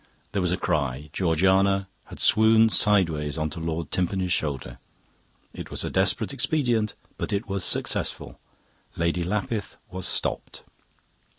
"There was a cry; Georgiana had swooned sideways on to Lord Timpany's shoulder. It was a desperate expedient; but it was successful. Lady Lapith was stopped.